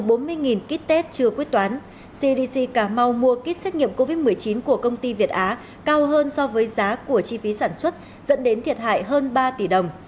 sở y tế mua kích xét nghiệm covid một mươi chín của công ty việt á cao hơn so với chi phí sản xuất dẫn đến thiệt hại hơn ba tỷ đồng